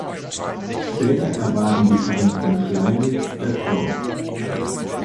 Später erwarben die Herren von Schleinitz das Dorf.